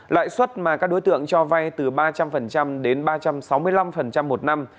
lãi suất mà các đối tượng cho vay từ ba trăm linh đến ba trăm sáu mươi năm một năm